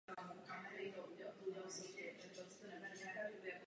Tato konference musí řídit a uspořádat etapu po Kjótu.